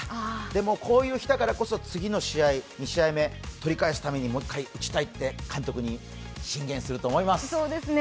でもこういう日だからこそ次の試合、２試合目取り返すためにもう１回、したいって監督に進言すると思います。